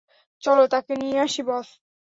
চলো তাকে নিয়ে আসি বস?